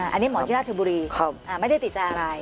อันนี้หมอที่ราชบุรีไม่ได้ติดใจอะไร